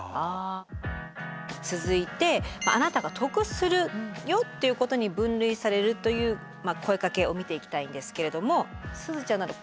続いて「あなたが得するよ」っていうことに分類されるという声かけを見ていきたいんですけれどもすずちゃん